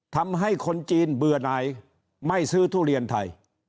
ทำให้คนจีนเบื่อไหนไม่ซื้อทุเรียนไทย